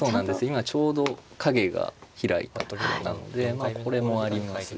今ちょうど影が開いたところなのでまあこれもありますし。